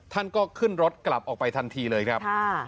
ท่านก็ขึ้นรถกลับออกไปทันทีเลยครับ